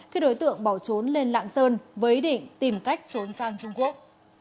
khi đối tượng bỏ trốn lên lạng sơn với ý định tìm cách trốn sang trung quốc